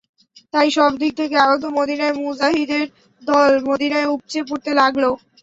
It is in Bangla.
তাই সব দিক থেকে আগত মদীনায় মুজাহিদদের দল মদীনায় উপচে পড়তে লাগল।